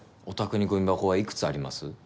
お宅にごみ箱はいくつあります？